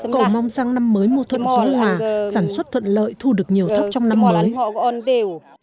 cậu mong rằng năm mới mùa thuận giống hòa sản xuất thuận lợi thu được nhiều thấp trong năm mới